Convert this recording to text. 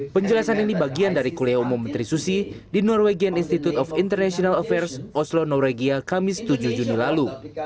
penjelasan ini bagian dari kuliah umum menteri susi di norwegian institute of international affairs oslo norwegia kamis tujuh juni lalu